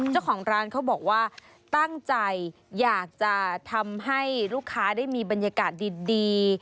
เจ้าของร้านเขาบอกว่าตั้งใจอยากจะทำให้ลูกค้าได้มีบรรยากาศดี